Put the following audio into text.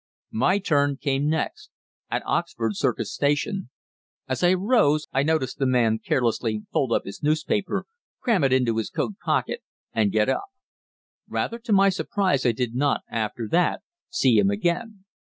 My turn came next at Oxford Circus station. As I rose, I noticed the man carelessly fold up his newspaper, cram it into his coat pocket, and get up. Rather to my surprise I did not, after that, see him again.